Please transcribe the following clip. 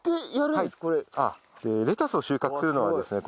レタスを収穫するのはですね